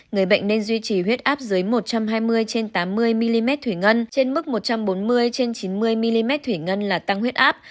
người bệnh nên duy trì huyết áp dưới một trăm hai mươi trên tám mươi mm thủy ngân trên mức một trăm bốn mươi trên chín mươi mm thủy ngân là tăng huyết áp